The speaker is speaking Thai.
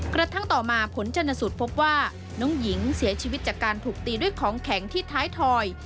กระทั่งต่อมาผลชนสูตรพบว่าน้องหญิงเสียชีวิตจากการถูกตีด้วยของแข็งที่ท้ายถอย